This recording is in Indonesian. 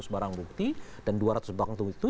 barang bukti dan dua ratus barang bukti itu